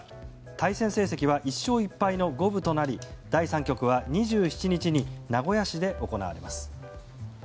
対戦成績は１勝１敗の五分となり第３局は２７日に名古屋市で行われます。